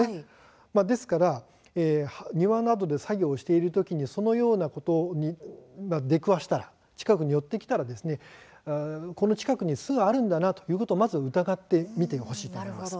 ですから庭などで作業しているときにこのようなことに出くわしたら近くに寄ってきたらこの近くに巣があるんだなとまず疑ってみてほしいと思います。